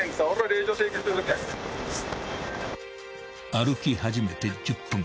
［歩き始めて１０分］